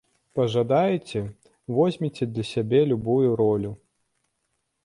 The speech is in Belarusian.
Пажадаеце, возьмеце для сябе любую ролю.